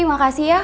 terima kasih ya